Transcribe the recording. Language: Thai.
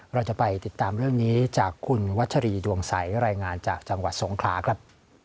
เราจะไปติดตามเรื่องนี้จากคุณวัชรีดวงใสรายงานจากจังหวัดสงขลาครับ